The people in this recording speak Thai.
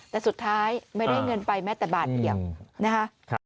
แต่สุดท้ายไม่ได้เงินไปแม้แต่บาทเดียวนะคะ